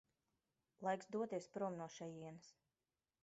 Laiks doties prom no šejienes.